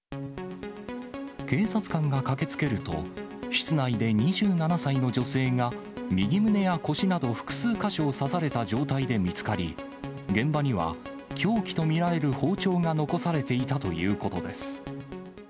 警察官が駆けつけると、室内で２７歳の女性が右胸や腰など、複数箇所を刺された状態で見つかり、現場には凶器とみられる包丁が残されていたということです。